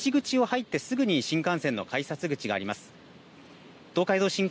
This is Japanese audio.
この西口を入ってすぐに新幹線の改札口があります。